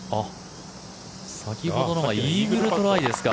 先ほどのがイーグルトライですか。